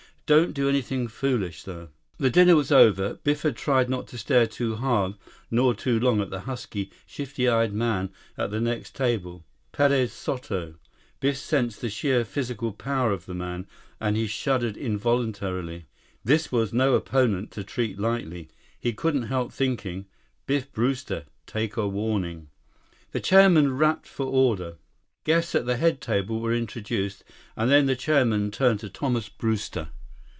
Don't do anything foolish, though." The dinner was over. Biff had tried not to stare too hard nor too long at the husky, shifty eyed man at the next table. Perez Soto! Biff sensed the sheer physical power of the man, and he shuddered involuntarily. This was no opponent to treat lightly. He couldn't help thinking: Biff Brewster, take warning! The chairman rapped for order. Guests at the head table were introduced, then the chairman turned to Thomas Brewster.